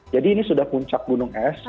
jadi ini sudah puncak gunung es